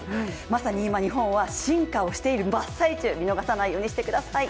まさに今、日本は進化をしている真っ最中見逃さないようにしてください。